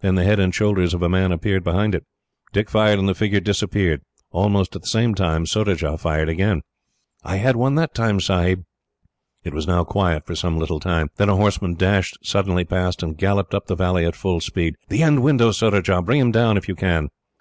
Then the head and shoulders of a man appeared behind it. He fired, and the figure disappeared. Almost at the same instant, Surajah fired again. "I had one that time, Sahib!" It was now quiet for some little time. Then a horseman dashed suddenly past, and galloped up the valley at full speed. "The end window, Surajah! Bring him down, if you can."